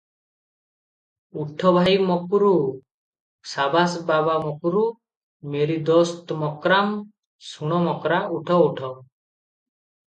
“ଉଠ ଭାଇ ମକ୍ରୁ! ସାବାସ ବାବା ମକ୍ରୁ! ମେରି ଦୋସ୍ତ ମକ୍ରାମ୍! ଶୁଣ ମକ୍ରା, ଉଠ, ଉଠ ।